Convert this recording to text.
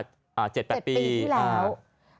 เพียงที่แล้ว